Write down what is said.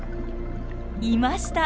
いました！